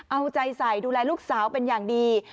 เอาใจใส่ดูแลลูกสาวเป็นอย่างดี